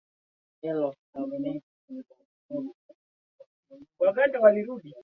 da alama ya kujumlisha mbili tano tano